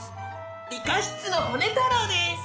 理科室のホネ太郎です。